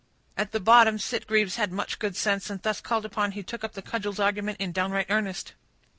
At the bottom, Sitgreaves had much good sense, and thus called on, he took up the cudgels of argument in downright earnest.